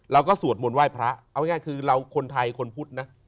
สวดมนต์ไหว้พระเอาง่ายคือเราคนไทยคนพุทธนะ